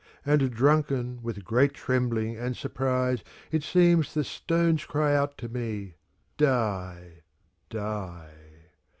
And drunken with great trembling and surprise, It seems the stones cry out to me, " Die, die."